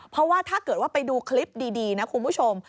เพราะว่าถ้าเกิดว่าไปดูคลิปดีนะคุณผู้ชม